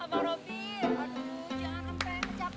abang robi aduh jangan sampai capek